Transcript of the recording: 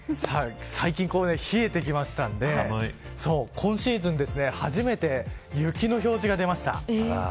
最近冷えてきましたんで今シーズン初めて雪の表示が出ました。